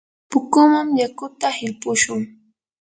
pukuman yakuta hilpushun.